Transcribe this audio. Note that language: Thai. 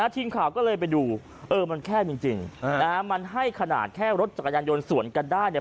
ทีมข่าวก็เลยไปดูเออมันแคบจริงมันให้ขนาดแค่รถจักรยานยนต์สวนกันได้เนี่ย